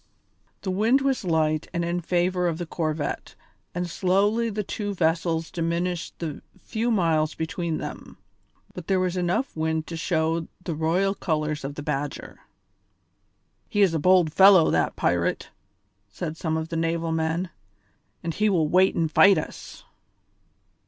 The wind was light and in favour of the corvette, and slowly the two vessels diminished the few miles between them; but there was enough wind to show the royal colours on the Badger. "He is a bold fellow, that pirate," said some of the naval men, "and he will wait and fight us."